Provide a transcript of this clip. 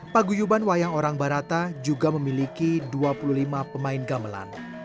paguyuban wayang orang barata juga memiliki dua puluh lima pemain gamelan